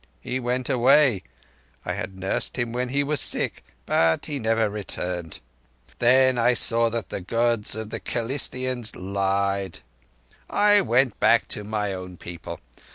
He went away—I had nursed him when he was sick—but he never returned. Then I saw that the Gods of the Kerlistians lied, and I went back to my own people